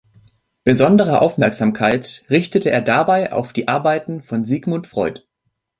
Besondere Aufmerksamkeit richtete er dabei auf die Arbeiten von Sigmund Freud.